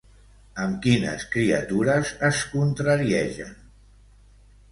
Amb quines criatures es contrariegen?